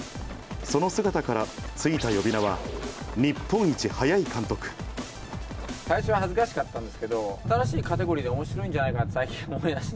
その姿から付いた呼び名は、最初は恥ずかしかったんですけど、新しいカテゴリーでおもしろいんじゃないかなと最近思いまして。